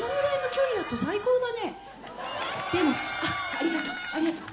ありがとうありがとう。